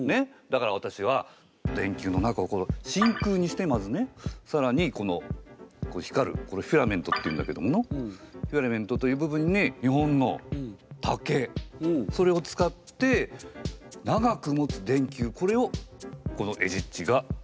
だからわたしは電球の中を真空にしてまずねさらにこの光るこれフィラメントっていうんだけどものうフィラメントという部分に日本の竹それを使って長くもつ電球これをこのエジっちが発明したわけだよ。